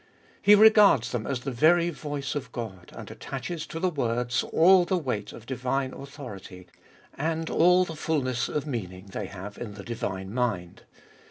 He regards them as the very voice of God, and attaches to the words all the weight of divine authority, and all the fulness of meaning they have in the divine mind.